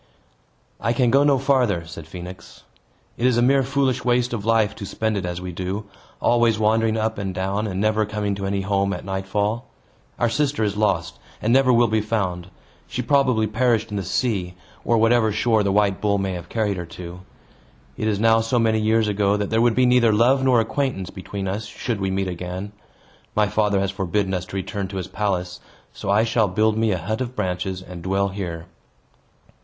"I can go no farther," said Phoenix. "It is a mere foolish waste of life, to spend it as we do, always wandering up and down, and never coming to any home at nightfall. Our sister is lost, and never will be found. She probably perished in the sea; or, to whatever shore the white bull may have carried her, it is now so many years ago, that there would be neither love nor acquaintance between us, should we meet again. My father has forbidden us to return to his palace, so I shall build me a hut of branches, and dwell here."